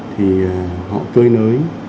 thì họ cơi nới